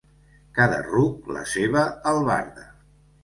Cada ruc, la seva albarda.